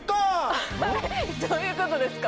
どういうことですか？